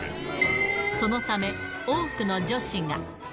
そのため、多くの女子が。